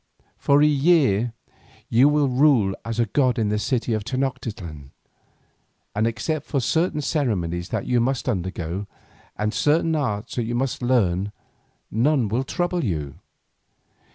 For a year you will rule as a god in this city of Tenoctitlan, and except for certain ceremonies that you must undergo, and certain arts which you must learn, none will trouble you.